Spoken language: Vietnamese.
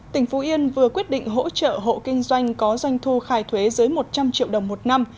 tỉnh phú yên vừa quyết định hỗ trợ hộ kinh doanh có doanh thu khai thuế dưới một trăm linh triệu đồng một năm